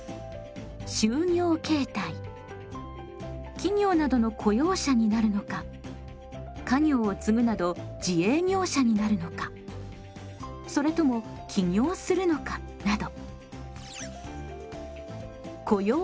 企業などの雇用者になるのか家業を継ぐなど自営業者になるのかそれとも起業するのかなど。